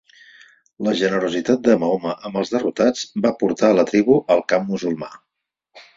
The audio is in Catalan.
La generositat de Mahoma amb els derrotats va portar a la tribu al camp musulmà.